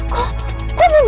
bapak ngebut ya